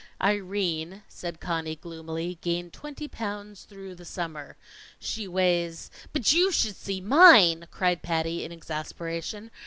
"Irene," said Conny gloomily, "gained twenty pounds through the summer. She weighs " "But you should see mine!" cried Patty, in exasperation.